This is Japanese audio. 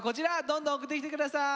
どんどん送ってきて下さい。